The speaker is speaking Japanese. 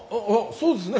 そうですね。